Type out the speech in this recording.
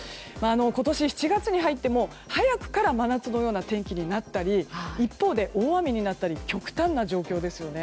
今年７月に入っても、早くから真夏のような天気になったり一方で大雨になったり極端な状況ですよね。